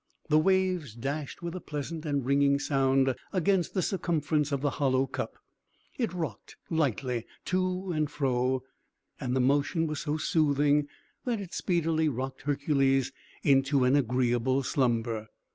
The waves dashed, with a pleasant and ringing sound, against the circumference of the hollow cup; it rocked lightly to and fro, and the motion was so soothing that it speedily rocked Hercules into an agreeable slumber.